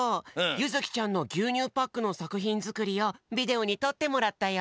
ゆづきちゃんのぎゅうにゅうパックのさくひんづくりをビデオにとってもらったよ。